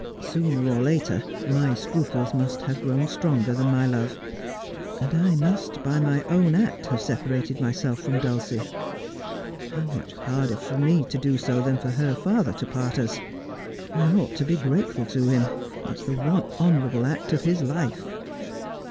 Sooner or later my scruples must have grown stronger than my love, and I must, by my own act, have separated myself from Dulcie. How much harder for me to do so than for her father to part us ? I ought to be grateful to him. It is the one honourable act of his life.'